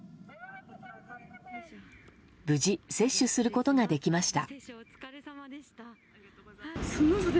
無事、接種することができました。